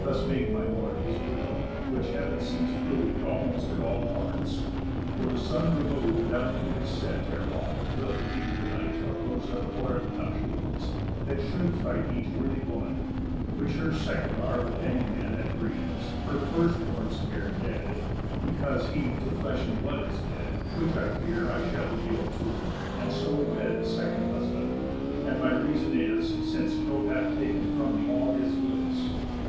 Thus made my lord his will, which Heav'n sees prov'd Almost at all parts; for the Sun remov'd Down to his set, ere long, will lead the night Of those abhorréd nuptials, that should fright Each worthy woman, which her second are With any man that breathes, her first lord's care Dead, because he to flesh and blood is dead; Which, I fear, I shall yield to, and so wed A second husband; and my reason is, Since Jove hath taken from me all his bliss.